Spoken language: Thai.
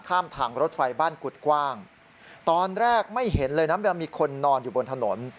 ทางรถไฟบ้านกุฎกว้างตอนแรกไม่เห็นเลยนะว่ามีคนนอนอยู่บนถนน